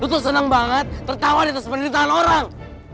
lu tuh seneng banget tertawa di tas penderitaan orang